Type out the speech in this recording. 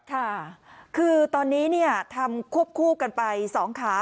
ค่ะคือตอนนี้เนี่ยทำควบคู่กันไปสองขา